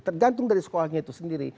tergantung dari sekolahnya itu sendiri